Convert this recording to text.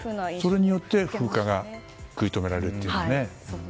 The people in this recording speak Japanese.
それによって風化が食い止められると。